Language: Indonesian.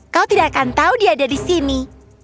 kau tidak akan tahu dia ada di sini